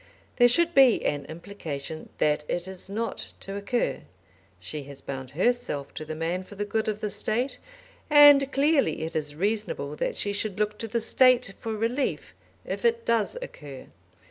There should be an implication that it is not to occur. She has bound herself to the man for the good of the State, and clearly it is reasonable that she should look to the State for relief if it does occur.